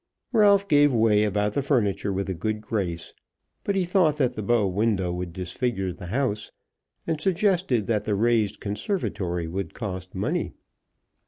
Ralph gave way about the furniture with a good grace, but he thought that the bow window would disfigure the house, and suggested that the raised conservatory would cost money.